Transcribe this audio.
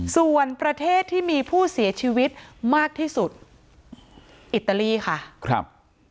ส่วนประเทศที่มีผู้เสียชีวิตมากที่สุดอิตาลีค่ะครับ